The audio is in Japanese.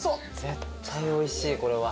絶対おいしいこれは。